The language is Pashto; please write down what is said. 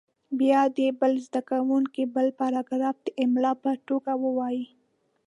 بیا دې بل زده کوونکی بل پاراګراف د املا په توګه ووایي.